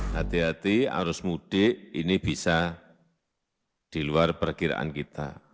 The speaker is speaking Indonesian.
hati hati arus mudik ini bisa diluar perkiraan kita